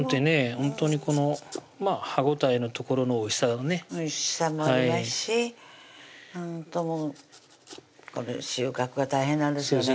ほんとに歯応えのところのおいしさがねおいしさもありますしほんと収穫が大変なんですよね